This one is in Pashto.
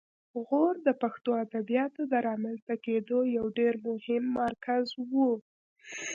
غور د پښتو ادبیاتو د رامنځته کیدو یو ډېر مهم مرکز و